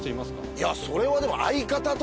いやそれはでも。